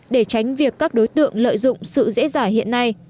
để tránh việc các đối tượng lợi dụng sự dễ dàng hiện nay